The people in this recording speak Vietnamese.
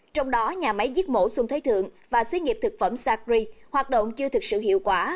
trong đó nhà máy giết mổ xuân thế thượng và xí nghiệp thực phẩm sakri hoạt động chưa thực sự hiệu quả